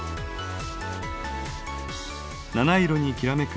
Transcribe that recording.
七色にきらめく